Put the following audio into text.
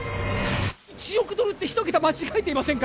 １億ドルって一桁間違えていませんか？